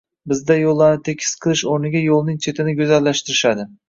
Bizda yo‘llarni tekis qilish o‘rniga yo‘lning chetini go‘zallashtirishadi.